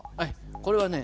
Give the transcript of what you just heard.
これはね